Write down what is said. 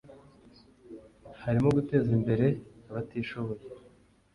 harimo guteza imbere abatishoboye